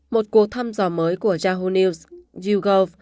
một cuộc thăm dò mới của yahoo news yougov